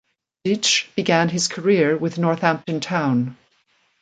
Dyche began his career with Northampton Town.